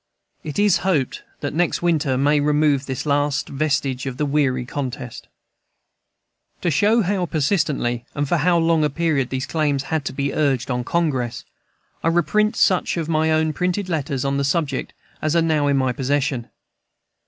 It is hoped that next winter may remove this last vestige of the weary contest To show how persistently and for how long a period these claims had to be urged on Congress, I reprint such of my own printed letters on the subject as are now in my possession.